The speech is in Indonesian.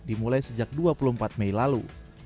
dimulai sejak dua puluh empat mei lalu